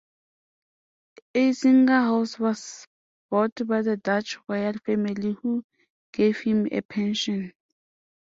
Eisinga house was bought by the Dutch Royal family who gave him a pension.